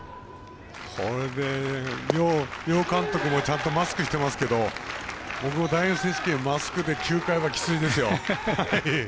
これで両監督もちゃんとマスクしてますけど僕も、大学選手権、９回マスクはきついですよ。